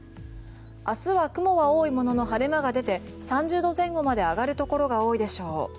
明日は雲は多いものの晴れ間が出て３０度前後まで上がるところが多いでしょう。